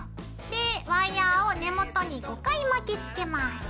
でワイヤーを根元に５回巻きつけます。